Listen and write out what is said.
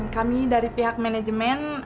kami dari pihak manajemen